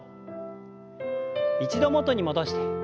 一度元に戻して。